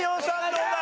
どうだ？